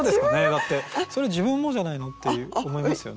だって「それ自分もじゃないの？」って思いますよね。